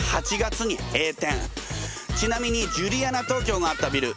ちなみにジュリアナ東京があったビル